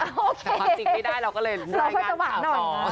แต่ว่าจริงได้เราก็เลยได้งานข่าวต่อ